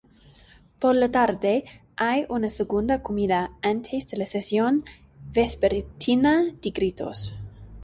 Por la tarde hay una segunda comida, antes de la sesión vespertina de gritos.